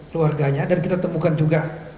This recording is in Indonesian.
keluarganya dan kita temukan juga